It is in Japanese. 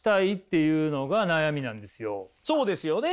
そうですよね。